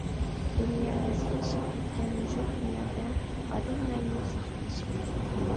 دۇنيا رەزىللىشىپ كەتكەن مۇشۇ كۈنلەردە ئادەملەرمۇ ساختىلىشىپ كەتتى.